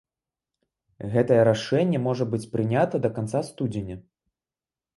Гэтае рашэнне можа быць прынята да канца студзеня.